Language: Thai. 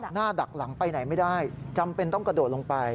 ดักหลังไปไหนไม่ได้จำเป็นต้องกระโดดลงไป